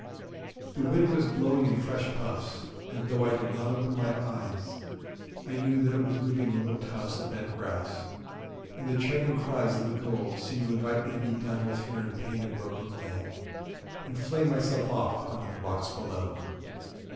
The wind was blowing in fresh puffs, and though I did not open my eyes, I knew that it was moving the little tufts of bent grass, and the chiding cries of the gulls seemed to invite me to be done with fear and pain and broken leg, and fling myself off on to the rocks below.